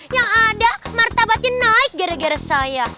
yang ada martabatnya naik gara gara saya